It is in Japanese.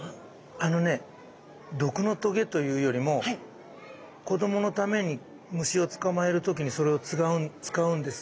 あのね毒のとげというよりも子どものために虫を捕まえる時にそれを使うんです